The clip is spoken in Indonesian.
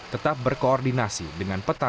tetap berkoordinasi dengan petahana